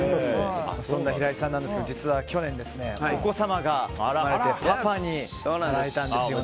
そんな平井さんなんですが実は去年、お子さんが生まれてパパになられたんですよね。